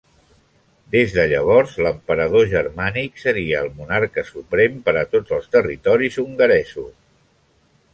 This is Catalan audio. Des de llavors l'emperador germànic seria el monarca suprem per a tots els territoris hongaresos.